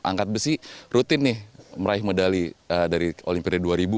angkat besi rutin nih meraih medali dari olimpiade dua ribu dua